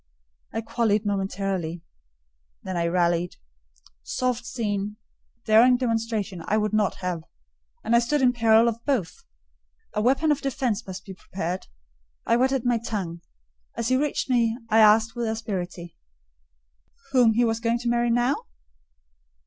I quailed momentarily—then I rallied. Soft scene, daring demonstration, I would not have; and I stood in peril of both: a weapon of defence must be prepared—I whetted my tongue: as he reached me, I asked with asperity, "whom he was going to marry now?"